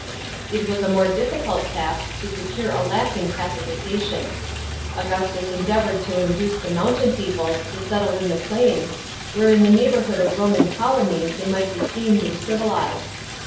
It was a more difficult task to secure a lasting pacification. Augustus endeavoured to induce the mountain peoples to settle in the plains, where in the neighbourhood of Roman colonies they might be tamed and civilized.